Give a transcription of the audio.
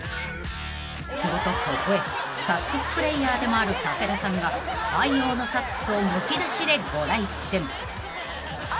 ［するとそこへサックスプレイヤーでもある武田さんが愛用のサックスをむき出しでご来店］